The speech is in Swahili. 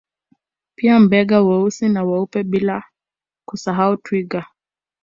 Pia Mbega weusi na weupe bila kusahau Twiga